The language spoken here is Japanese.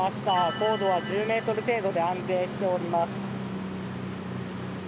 高度は１０ｍ程度で安定しております。